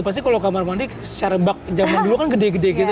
pasti kalo kamar mandi secara bug jaman dulu kan gede gede gitu